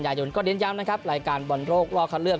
ยนก็เน้นย้ำนะครับรายการบอลโลกรอบคัดเลือก